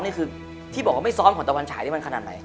นี่คือที่บอกว่าไม่ซ้อมของตะวันฉายนี่มันขนาดไหน